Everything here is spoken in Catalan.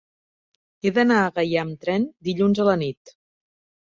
He d'anar a Gaià amb tren dilluns a la nit.